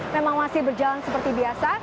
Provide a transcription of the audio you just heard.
memang masih berjalan seperti biasa